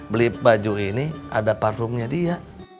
beli baju ini ada parungnya dia